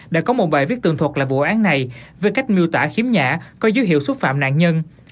đã có một bài viết tường thuật là vụ án này về cách miêu tả khiếm nhã có dấu hiệu xúc phạm nạn nhân